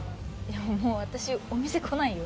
でももう私お店来ないよ？